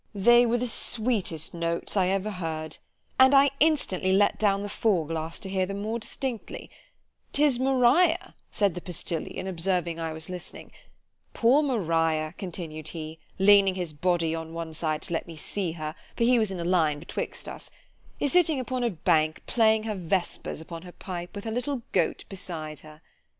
——They were the sweetest notes I ever heard; and I instantly let down the fore glass to hear them more distinctly——'Tis Maria; said the postillion, observing I was listening——Poor Maria, continued he (leaning his body on one side to let me see her, for he was in a line betwixt us), is sitting upon a bank playing her vespers upon her pipe, with her little goat beside her.